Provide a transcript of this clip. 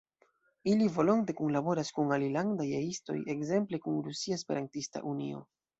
Ili volonte kunlaboras kun alilandaj E-istoj, ekzemple kun Rusia Esperantista Unio.